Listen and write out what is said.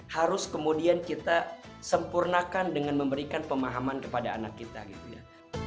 harus kemudian kita sempurnakan dengan memberikan pemahaman kepada anak kita gitu ya